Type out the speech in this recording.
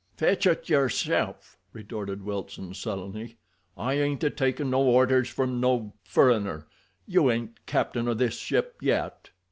"Fetch it yerself," retorted Wilson sullenly. "I ain't a takin' no orders from no—furriner—you ain't captain o' this ship yet."